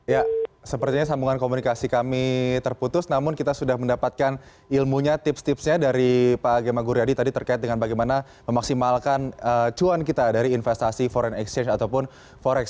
ya sepertinya sambungan komunikasi kami terputus namun kita sudah mendapatkan ilmunya tips tipsnya dari pak gemma guryadi tadi terkait dengan bagaimana memaksimalkan cuan kita dari investasi foreig exchange ataupun forex